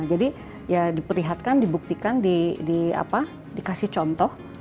jadi ya diperlihatkan dibuktikan dikasih contoh